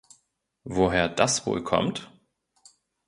Woher das wohl kommt?